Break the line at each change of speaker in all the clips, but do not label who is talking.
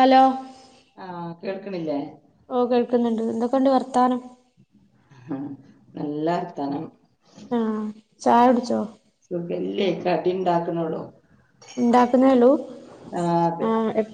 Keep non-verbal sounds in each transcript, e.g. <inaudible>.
Hello
ആഹ് കേൾക്കണില്ലേ?
ഓ കേൾക്ന്ന്ണ്ട് എന്തൊക്കെണ്ട് വർത്താനം?
മ് നല്ലർത്താനം.
ആഹ് ചായുടിച്ചോ?
സുഖല്ലേ കടി ണ്ടാക്ണെ ള്ളൂ.
ണ്ടാക്ക്ണെള്ളൂ
ആഹ്
ആ
അതെ
എ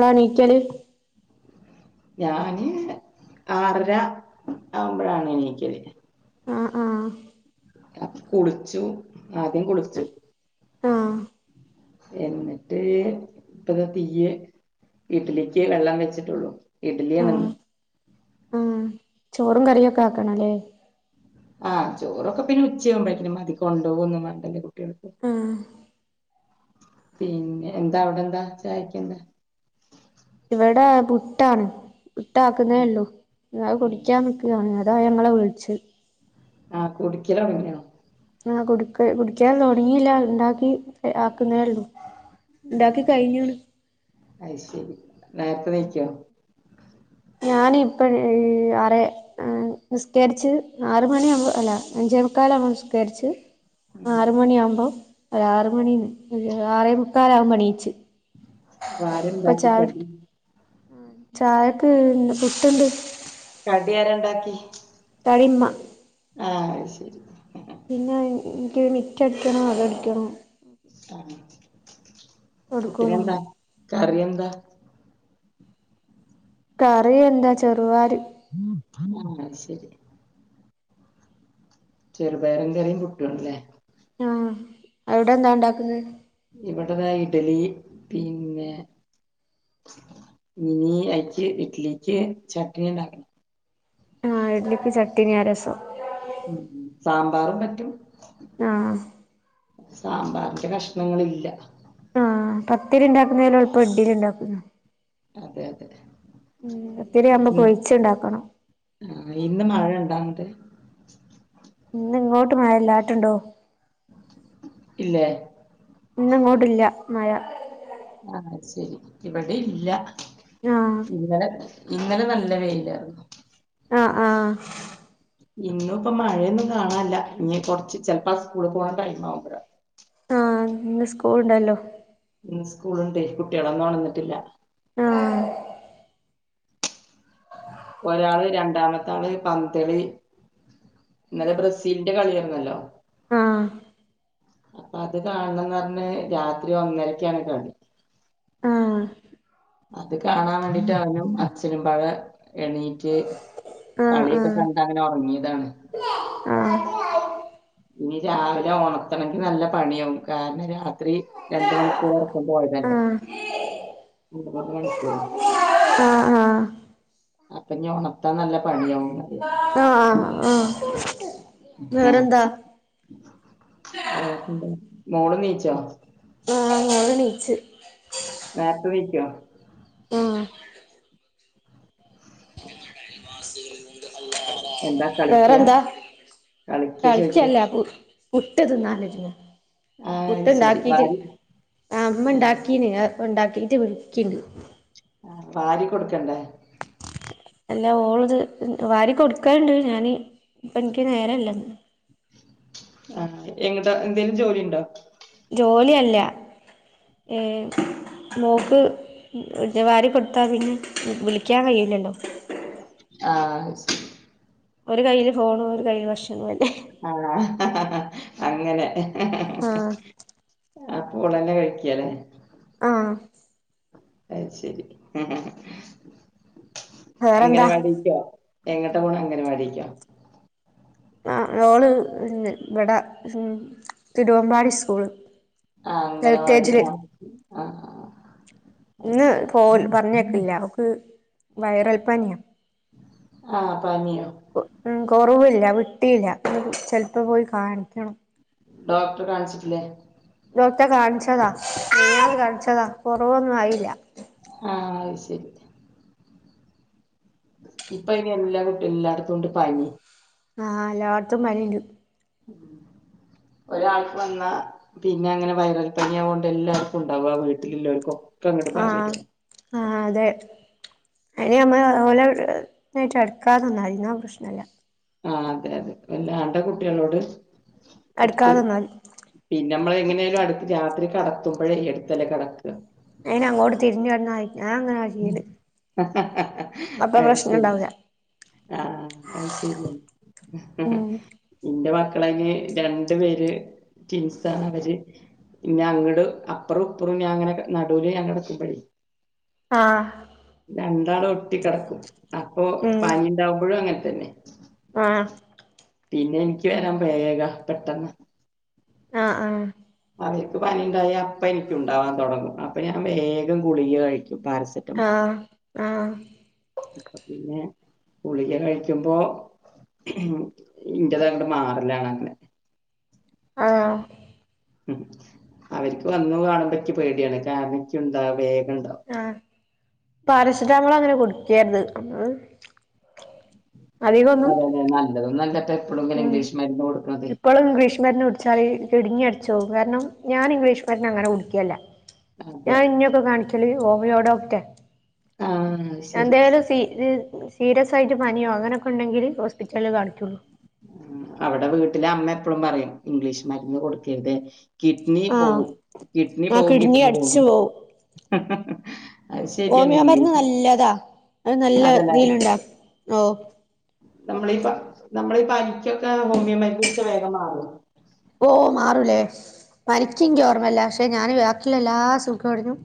ളാ ണീക്കല്?
ഞാന് പിന്നെ ആറര ആവുമ്പഴാണ് എണീകല്.
ആഹ് ആഹ്
കുളിച്ചു ആദ്യം കുളിച്ചു.
ആഹ്.
എന്ന്ട്ട് പ്പ തീ്യ വീട്ടിലേക്ക് വെള്ള വെച്ചിട്ടൊള്ളൂ.
ആഹ്
ഇഡ്ലിയാണ്ന്ന്.
ആഹ് ചോറും കറിഒക്കെ ആക്കണം ലെ?
ആഹ് ചോറൊക്കെ പിന്നെ ഉച്ചയവുമ്പോതിനും മതി കൊണ്ടൊവോന്നും വേണ്ടലോ കുട്ടിൾക്.
മ്മ്
പിന്നെ എന്താ അവ്ടെ ന്താ ചായയ്ക് എന്താ?
ഇവടെ പുട്ടാണ് പുട്ട ആക്ന്നേള്ളു. അഹ് കുടിക്യാ നിക്കാണ് അതാ ഞങ്ങളെ വിളിച്ച്.
ആഹ് കുടിക്കലോട് ങ്യോ?
ആ കുട്കെ കുടിക്യാ തോടങ്ങില്ല ണ്ടാക്കി ആക്കുന്നെള്ളു ണ്ടാക്കി കയ്ഞ്ഞ്
അഹ് ശെരി നേരത്തെ കയിക്കോ?
ഞാന് ഇപ്പഴ് ആറെ നിസ്കേര്ച്ച് ആറ് മണിമ്പോ എല്ല അഞ്ചേമുക്കാലമ്പോ നിസ്കര്ച്ച് ആറ് മണിആമ്പം ഒരാറ് മണി ആറേ മുക്കാലമ്പോണിച്ച്.
വാരണ്ടാക്കി കെട്ന്ന്
മ് ചായക്ക് പുട്ട്ണ്ട്.
കടിരാണ്ടാക്കി?
കടി മ്മ.
ആഹ് ശരി
പിന്നെ എനിക്ക് മിറ്റ അടിക്കണം അഗ അടിക്കണം
ആഹ്
തൊടക്കും വേണം
പുട്ടിനെന്താ കറി എന്താ
കറി എന്താ ചെറുവാരി
ആഹ് ശരി ചെറുപേറും കറീം പുട്ടുണ്ടല്ലോ
ആഹ് അവിടെ എന്താ ഉണ്ടാക്കുന്നത്
ഇവിടതാ ഇഡലി പിന്നെ ഇനി അയിക്ക് ഇഡലിക്ക് ചട്നി ഉണ്ടാക്കണം
ആഹ് ഇഡ്ലിക്ക് ചട്ടിനി ആ രസം
ഉം സാമ്പാറും പറ്റും
ആഹ്
സാമ്പാറിന്റെ കഷ്ണങ്ങളില്ല
ആ പത്തിരിണ്ടാക്കുന്നലും എള്പ്പം ഇടിലി ഉണ്ടാക്കും
അതെ അതെ
ഉം പത്തിരി ആമ്പം കുഴ്ച്ചിണ്ടാക്കണം
ആഹ് ഇന്ന് മഴണ്ടാങ്ങട്ട്
ഇന്ന്ങ്ങോട്ട് മഴല്ലാട്ടുണ്ടോ
ഇല്ലേ
ഇന്നിങ്ങോട്ടില്ല മഴ
ആഹ് ശരി ഇവിടേല്ല
ആഹ്
ഇന്നലെ ഇന്നലെ നല്ല വെയിലാർന്ന്
ആഹ് ആഹ്
ഇന്നുപ്പ മഴേന്നും കാണാല്ല ഇഞി കൊറച്ച് ചെലപ്പാ സ്കൂള് പോവാൻ ടൈമാവുമ്പോഴാ
ആഹ് ന്ന് സ്കൂണ്ടല്ലോ
ന്ന് സ്കൂളുണ്ടേ കുട്ടികളൊന്നൊണന്നിട്ടില്ല
ആഹ്
ഒരാള് രണ്ടാമത്താള് പന്തളി ഇന്നലെ ബ്രസീലിന്റെ കളിയാരുന്നല്ലോ
ആഹ്
പ്പത് കാണ് ണംന്ന് പറഞ്ഞ് രാത്രി ഒന്നരക്കാണ് കെ
ആഹ്
അത് കാണാം വേണ്ടിട്ട് അവനും അച്ഛനും പാടെ എണീറ്റ്
ആഹ്
കളിയെക്കെ
ആഹ്
കണ്ടങ്ങനെ ഒറങ്ങിയതാണ്
ആഹ്
ഇനി രാവിലെ ണത്തണങ്കി നല്ല പണിയാവും കാരണം രാത്രി രണ്ട മണിക്കൂറൊറക്കം പോയതാണെ
ആഹ്
<unintelligible> മണിക്കൂർ
ആഹ് ആഹ്
അപ്പൊഞ ഒണത്താൻ നല്ല പണിയാവും
ആഹ് ആഹ് ആഹ്
ആഹ്
വേറെന്താ
വേറെന്താ മോള് നീച്ചോ
ആഹ് മോള്ണീച്ച്
നേര്ത്തെനീക്ക്യോ
ആഹ്
എന്താ കളിക്കുക
വേറെന്താ
കളിക്കുക ചോദിക്കുക
കളിക്യല്ല പു പുട്ട് തിന്നാനൊരുങ്ങ
ആ ശരി
പുട്ട്ണ്ടാക്കീട്ട്
വാരി
ആഹ്
ആ,
അമ്മണ്ടാക്കീന് ഏ ഉണ്ടാക്കീട്ട് വിളിക്ക്ണ്ട്
ആ വാരി കൊടുക്കേണ്ടേ
അല്ല ഓളത് വാരി കൊടുക്കാറുണ്ട് ഞാന് ഇപ്പനിക്ക് നേരല്ലന്ന്
ആഹ് എങ്ങട്ടാ എന്തേലും ജോലിണ്ടോ
ജോലിയല്ല ഏ മോക്ക് ജ വാരി കൊടുത്താ പിന്നെ വിളിക്കാൻ കയൂല്ലല്ലോ
ആഹ്
ഒരു കൈയ്യില് ഫോണും ഒരു കൈയ്യ് ഭക്ഷണം വേണ്ടേഹ്
ആഹ് ഹഹഹ അങ്ങനെ ഹഹഹ
ആഹ്
ആപോളന്നെ കഴിക്ക്യാല്ലേ
ആഹ്
അത് ശെരി മ്ഹ്ഹ്
വേറെന്താ
അംഗനവാടിക്കോ എങ്ങട്ടാ പോണെ അംഗനവാടിക്കോ
ആഹ് ഓള് ന്നെ ഇവിടെ ഉം തിരുവമ്പാടി സ്കൂള്
ആഹ്
എൽ കെ
അംഗനവാടി
ജില്
ആഹ് ആഹ്
ഇന്ന് പോൽ പറഞ്ഞേക്കില്ല ഓക്ക് വയറൽപ്പനിയാ
ആഹ് പനിയോ
ഉം കൊറവില്ല വിട്ടീല്ല ചെലപ്പോ പോയി കാണിക്കണം
ഡോക്ടറെ കാണിച്ചിട്ടില്ലേ
ഡോക്ടെ കാണിച്ചതാ മിനിയാന്ന് കാണിച്ചതാ കൊറവൊന്നും ആയില്ല
ആഹ് അത് ശെരി ഇപ്പ ഇനി എല്ലാ കുട്ടി എല്ലാതകൊണ്ടും പനി
ആഹ് എല്ലാട്ത്തും പനിണ്ട്.
ഒരാൾക്ക് വന്ന പിന്നെ അങ്ങനെ വൈറൽ പനി അങ്ങോട്ട് എല്ലാവർക്കും ഉണ്ടാവു ആ വീട്ടിലുല്ലോൽകൊക്കെ-
ആഹ് ആഹ് അതെ അയിന് നമ്മെ ഓലെ <unintelligible> പ്രശ്നല്ല
ആഹ് അതെ അതെ വല്ലാണ്ട കുട്ട്യേളോട് അട്ത്ത്
അടുക്കാതിന്നാതി
പിന്നമ്മള് എങ്ങനെയാലും അടുത്ത് രാത്രി കടക്കുമ്പഴേ എട്ത്തല്ലെ കടക്ക
അയിനങ്ങോട്ട് തിരിഞ്ഞന്നായി ഞാങ്ങന
അയ്
പ്രശ്നം
ശെരി
ഉണ്ടാവില്ല
ആഹ് അത് ശെരിന്നെ
ഉം
ഇന്റെ മക്കളെന് രണ്ടു പേര് ടിൻസാണ് അവര് പിന്നെ അങ്ങട് അപ്പറും ഇപ്പറും ഞാൻ അങ്ങനെ നടുല് ഞാൻ കടക്കുമ്പഴേ
ആഹ്
രണ്ടാളും ഒട്ടി കടക്കും അപ്പൊ
ഉം
പനി ഉണ്ടാവുമ്പഴും അങ്ങനെ തന്നെയ്
ആഹ്
പിന്നെ ഇൻക്ക് വരാൻ വേഗ പെട്ടെന്ന്
ആഹ് ആഹ്
അവർക്ക് പനിണ്ടായ അപ്പം ഇൻക്കും ഉണ്ടാകാൻ തൊടങ്ങും അപ്പൊ ഞാൻ വേഗം ഗുളിക കഴിക്കും പാരസെന്റ്
ആഹ് ആഹ്
പിന്നെ ഗുളിക കഴിക്കുമ്പോ ഇന്റെതങ്ങട് മാറലാണ് അങ്ങനെ
ആഹ്
ഉം അവര്ക്ക് വന്നു കാണുമ്പക്ക് പേടിയാണ് കാര്ണ ഇക്ക്ന്ത വേഗം ഇണ്ടാവും.
ആഹ് പാരസെറ്റാമോൾ അങ്ങനെ കൊടുക്കേര്ത് അഹ്
അതെ അതെ നല്ലത് നല്ലതെ എപ്പളും ഇങ്ങനെ ഇംഗ്ലീഷ് മരുന്ന് കൊടുക്കണതെ
പ്പളും ഇംഗ്ലീഷ് മരുന്ന് കുടിച്ചാല് കിഡ്‌നി അടിച്ചോവും കാരണം ഞാൻ ഇംഗ്ലീഷ് മരുന്ന് അങ്ങനെ കുടിക്കേല്ല.
അതെ
ഞാൻ ഇന്നെയൊക്കെ കാണിക്കല് ഓവിയോ ഡോക്ടെ
ആ ശരി
എന്തേലും സീന് സീരിയസ് ആയിട്ട് പനിയോ അങ്ങനൊക്കെ ഉണ്ടെങ്കില് ഹോസ്പിറ്റലിൽ കാണിക്കൊള്ളു
ഉം അവിടെ വീട്ടില് അമ്മ എപ്പളും പറയും ഇംഗ്ലീഷ് മരുന്ന് കൊട്ക്കര്ത് കിഡ്നി
ആഹ്
പോവും കിഡ്നി
ആ
പോകും കിഡ്നി
അടിച്ചു
പോകുന്ന്
ഓമിയോ മരുന്ന് നല്ലതാ. അത് നല്ല
അതല്ലേ
ദീലുണ്ടാ ഓഹ്
നമ്മളീ പ്പ നമ്മളി പനിക്കൊക്കെ ഹോമിയോ മരുന്ന് കുട്ച്ച വേഗം മാറോ?
ഓഹ് മാറുലേ പനിക്ക് ഇൻക്ക് ഓർമ്മല്ല പക്ഷെ ഞാന് ബാക്കിള്ള എല്ലാ സൂക്കേടിനും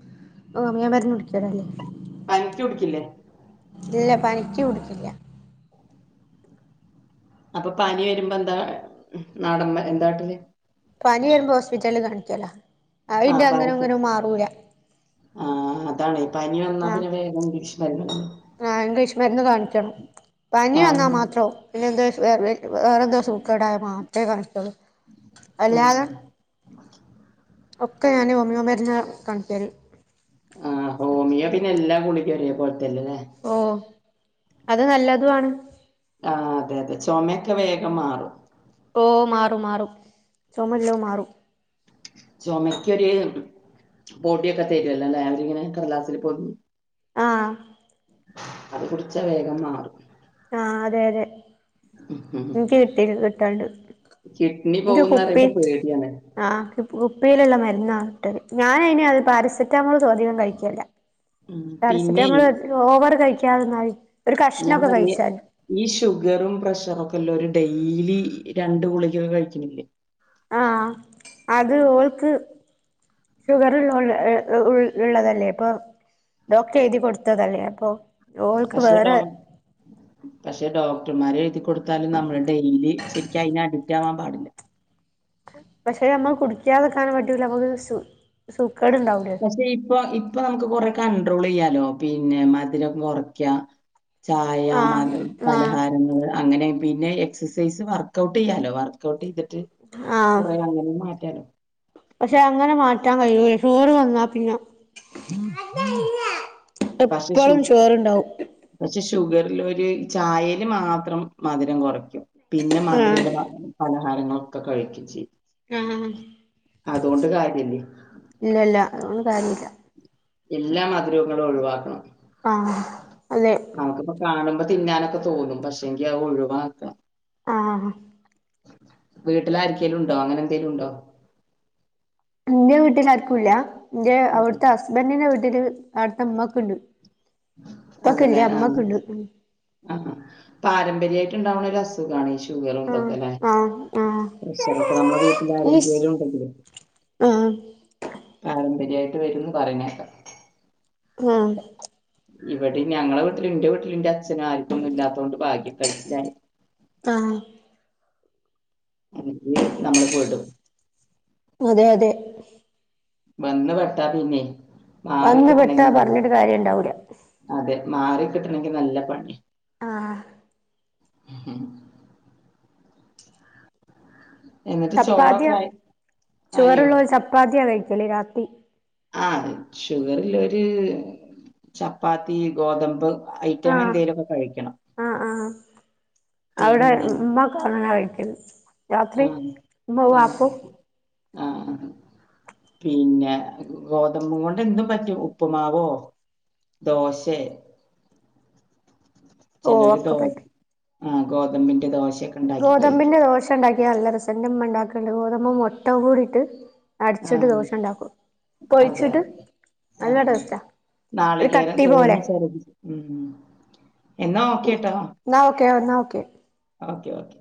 ഓമിയോ മര്ന്നുടിക്കലാണ്.
പനിക്ക്യു കുട്ക്കില്ലേ?
ഇല്ല പനിക്ക് കുട്ക്കില്ല.
അപ്പം പനി വരുമ്പോ എന്താ കാ നാടം മേ എന്താട്ടല്?
പനി വരുമ്പോ ഹോസ്പിറ്റല് കാണിക്കല.
ആഹ് പാരസെന്റ്. ആഹ് അതാണെ. പനി വന്നാ
ആഹ്
പിന്നെ വേഗം ബിഷ്
ആഹ് ഇംഗ്ലീഷ് മരുന്ന് കാണിക്കണം
<unintelligible>
പനി വന്നാ മാത്രോ പിന്നെന്തോ ശ് വേ വ് വേറെന്തോ സൂക്കേടായ മാത്രേ കാണിക്കൊള്ളു. അല്ലാതെ
ഉം.
ഒക്കെ ഞാൻ ഓമിയോ മര്ന്നാ കാണികല്.
ആഹ് ഹോമിയോ പിന്നെല്ലാ ഗുളികിം ഒരേ പോൽതല്ലെ ലേ?
ഓഹ് അത് നല്ലതുവാണ്.
ആഹ് അതെ അതെ ചൊമെയ്ക്കെ വേഗം മാറും.
ഓഹ് മാറും മാറും ചൊമല്ലോം മാറും.
ചൊമക്കെര് പൊടിയൊക്കെ തരുല്ലലേ അവരിങ്ങനെ കടലാസിൽ പൊത്
ആഹ്
അത് കുടിച്ച വേഗം മാറും.
ആഹ് അതെ അതെ. ഇൻക്ക് കിട്ടി കിട്ടാണ്ട്
കിഡ്നി
ഇന്റെ
പോകുന്ന
കുപ്പി
പറയുമ്പോ പേടിയാണ്
ആ കുപ് കുപ്പിയിലുള്ള മരുന്നാ കിട്ടല് ഞാനയ്ന് അഅ് പാരസെറ്റാമോൾ തോനേന്നും കഴിക്കേല്ല.
ഉം. പിന്നെ
പാരസിറ്റമോള് ഓവർ കഴിക്കാതന്നാല്
ഞാപറ്ഞ്ഞ് ഈ ഷുഗറും പ്രഷറൊക്കെല്ലോരു ഡെയ്ലി രണ്ട് ഗുളികൊക്കെ കഴിക്കണില്ലേ.
ആഹ് അത് ഓൾക്ക് ഷുഗർ ഉള് ള് ഉൾ ഇള്ളതല്ലേപ്പോ ഡോക്ടറെഴുതി കൊടുത്തതല്ലേ അപ്പൊ ഓൾക്ക്
പഷ്ണ് ‌ഡോ
വേറെ
പക്ഷെ ഡോക്ടർമാരെഴുതിക്കൊട് ത്താലും നമ്മള് ഡെയിലി ശരിക്കയ്ന് അഡിക്റ്റാവാൻ പാടില്ല.
പക്ഷെ നമ്മ കുടിക്കാതെ ക്കാനും പറ്റൂല്ല നമുക്ക് സു സൂക്കേട്ണ്ടാവൂടെ.
ക്ഷെ ഇപ്പൊ ഇപ്പൊ നമുക്ക് കൊറെ കൺണ്ട്രോളെയ്യാലോ പിന്നെ മധുരം കൊറ്ക്കാ. ചായ
ആഹ്
മത്
ആഹ്
പലഹാരങ്ങള് അങ്ങനെ പിന്നെ എക്സസൈസ് വർക്കൗട്ടെയ്യാലോ വർക്കൗട്ടെയ്തിട്ട്
ആഹ്
കൊറേ അങ്ങനിം മാറ്റാലോ.
പക്ഷെ അങ്ങനെ മാറ്റാൻ കഴിയൂയെ ഷുഗറ് വന്നാ പിന്നെ
പക്ഷേ ഷു
എപ്പളും ഷുഗറുണ്ടാവും
പക്ഷെ ഷുഗറില്ലോല് ചായേല് മാത്രം മധുരം കൊറക്കും. പിന്നെ
ആഹ്
മധുരല്ലെ പലഹാരങ്ങളൊക്കെ കഴിക്കു ചെയ്യും.
ആഹ്
അതോണ്ട് കാര്യല്ലേ.
ഇല്ല ല്ല അതോണ്ട് കാര്യല്ല.
എല്ലാ മധുരൂങ്ങളും ഒഴിവാക്കണം.
ആഹ് അല്ലേയ്
നമുക്കിപ്പോ കാണുമ്പോ തിന്നാനൊക്കെ തോന്നും പക്ഷെങ്കി അ ഒഴിവാക്കണം
ആഹ് ആഹ്
വീട്ടിലാര്‌ക്കലുണ്ടോ അങ്ങനെ എന്തേലുണ്ടോ?
ഇന്റെ വീട്ടിലാര്ക്കുല്ല ഇന്റെ അവിടുത്തെ ഹസ്ബൻ്റിന്റെ വീട്ടില് അവിട്ത്തെ ഇമ്മാക്ക്ണ്ട്.
അതല്ലേ ആഹ് ആഹ് പാരമ്പര്യായിട്ട് ഉണ്ടാവണ ഒരസ് സുഖാണ് ഈ ഷുഗറും
ആഹ്
ഇതൊക്കെല്ലേ.
ആഹ് ആഹ്
പ്രഷറൊക്കെ നമ്മുടെ
ഈസ്
വീട്ടിലാരെങ്കേലുണ്ടെങ്കില്
ആഹ്
പാരമ്പര്യായിട്ട് വരുംന്ന് പറിണേക്ക.
ആഹ്.
ഇവിടിം ഞങ്ങള വീട്ടിലും ഇന്റെ വീട്ടിലും ഇന്റച്ഛനു ആർക്കൊന്നുല്ലാത്തോണ്ട് ഭാഗ്യം കഴിച്ചിലായി.
താ
ഇഞ്ഞ് നമ്മള് പെടും.
അതെ അതെ
വന്ന് പെട്ടാ പിന്നെ മാറി
വന്ന് പെട്ടാ
കിട്ടണെങ്കി നല്ല
പറഞ്ഞിട്ട് കാര്യം ഇണ്ടാവൂല
അതെ, മാറി കിട്ടണെങ്കി നല്ല പണി.
ആഹ്
ഉം. എന്നിട്ട്
ചപ്പാത്തിയ
ചോറൊക്കെ ആയി- ആയോ
ചുവറുള്ളോൽ ചപ്പാത്തിയ കഴിക്കല് രാത്രി.
ആ ഷുഗറ്ല്ലോര് ചപ്പാത്തി, ഗോതമ്പ് ഐറ്റമ
ആഹ്
എന്തേലു ഒക്ക കഴിക്കണം.
ആഹ് ആഹ് അവിടെ
പിന്നെ,
<unintelligible> രാത്രി ഉമ്മ വാക്കു
ആഹ് ആഹ് പിന്നെ ഗോതമ്പും കൊണ്ട് എന്തുംപറ്റും ഉപ്പുമാവോ ദോശെ
ഓ
ചെലരു
ഒക്കെ
ദോ
പറ്റും
ആ ഗോതമ്പിന്റെ ദോശ
ഗോതമ്പിന്റെ ദോശണ്ടാക്കിയാ നല്ലരസ എന്റെമ്മ ഉണ്ടാക്കണ്ട് ഗോതമ്പ് മുട്ടകൂടിട്ട്
ആ
അര്ച്ചിട്ട് ദോഷണ്ടാക്കും പൊയിച്ചിട്ട്
ആഹ് ആഹ് നാളികേരം
കട്ടി
തേങ്ങ
പോലെ
ചെരകിട്ട്, ഉം എന്നാ ഓക്കെട്ടോ
എന്നാ ഓക്കെ എന്നാ ഓക്കെ
ഓക്കെ ഓക്കെ